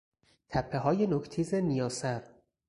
تپههای نوک تیز نیاسر